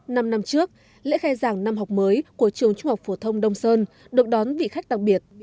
năm năm trước lễ khai giảng năm học mới của trường trung học phổ thông đông sơn được đón vị khách đặc biệt